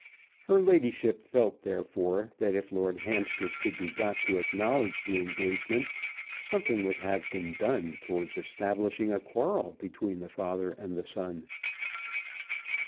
Her ladyship felt therefore that if Lord Hampstead could be got to acknowledge the engagement, something would have been done towards establishing a quarrel between the father and the son.